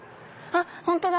本当だ！